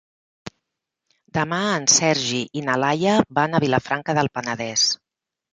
Demà en Sergi i na Laia van a Vilafranca del Penedès.